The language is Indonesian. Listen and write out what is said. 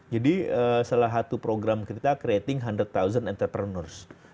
jadi salah satu program kita creating seratus entrepreneurs